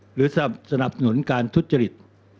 สนับสนุนการทุจริต